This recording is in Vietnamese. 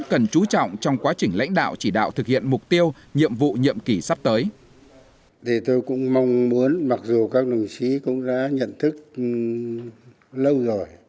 cần chú trọng trong quá trình lãnh đạo chỉ đạo thực hiện mục tiêu nhiệm vụ nhiệm kỳ sắp tới